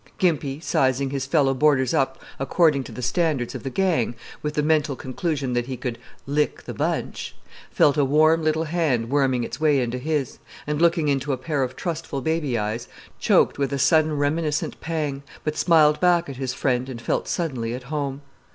Gimpy, sizing his fellow boarders up according to the standards of the gang, with the mental conclusion that he "could lick the bunch," felt a warm little hand worming its way into his, and, looking into a pair of trustful baby eyes, choked with a sudden reminiscent pang, but smiled back at his friend and felt suddenly at home.